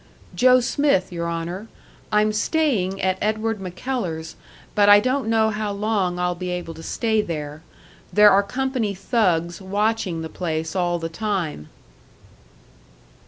"Joe Smith, your Honour. I'm staying at Edward MacKellar's, but I don't know how long I'll be able to stay there. There are company thugs watching the place all the time."